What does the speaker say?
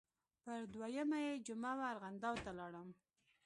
پر دویمه یې جمعه وه ارغنداو ته لاړم.